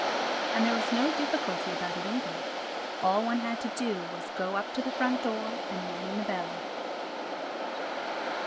And there was no difficulty about it either—all one had to do was to go up to the front door and ring the bell.